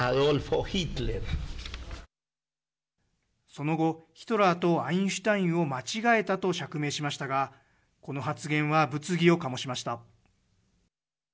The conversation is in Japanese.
その後ヒトラーとアインシュタインを間違えたと釈明しましたがこの発言は物議を醸しました。